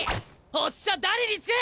おっしゃ誰につく！？